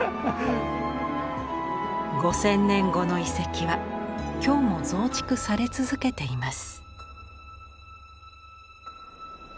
五千年後の遺跡は今日も増築され続けています。